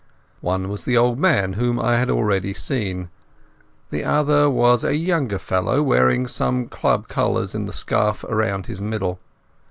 One was the old man, whom I had already seen; the other was a younger fellow, wearing some club colours in the scarf round his middle.